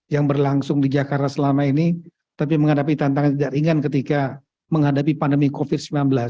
yang berlangsung di jakarta selama ini tapi menghadapi tantangan tidak ringan ketika menghadapi pandemi covid sembilan belas